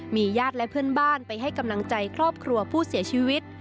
มีญาติและเพื่อนบ้านไปให้กำลังใจครอบครัวผู้เสียชีวิต